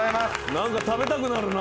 何か食べたくなるな。